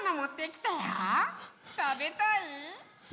たべたい？